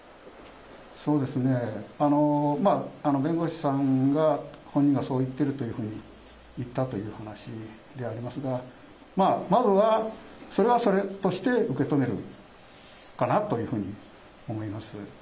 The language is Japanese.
そうですね、弁護士さんが本人がそう言ってるというふうに、言ったという話でありますが、まあ、まずはそれはそれとして受け止めるかなというふうに思います。